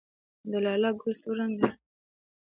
د لاله ګل سور رنګ لري